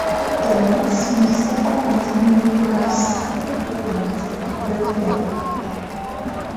Nevertheless, Mustafa continued to have secret dealings with Persia.